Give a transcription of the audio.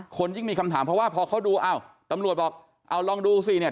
ยิ่งมีคำถามเพราะว่าพอเขาดูอ้าวตำรวจบอกเอาลองดูสิเนี่ย